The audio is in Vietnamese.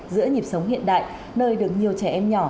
giữa nhịp sống hiện đại nơi được nhiều trẻ em nhỏ